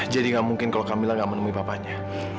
jadi tidak mungkin kalau kamila tidak menemui papanya